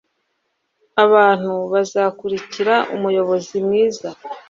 abantu bazakurikira umuyobozi mwiza